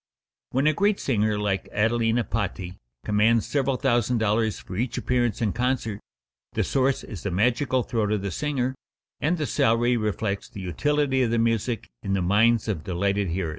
When a great singer like Adelina Patti commands several thousand dollars for each appearance in concert, the source is the magical throat of the singer, and the salary reflects the utility of the music in the minds of delighted hearers.